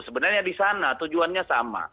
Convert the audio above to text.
sebenarnya di sana tujuannya sama